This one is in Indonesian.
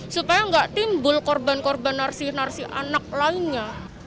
supaya nggak timbul korban korban narsih narsi anak lainnya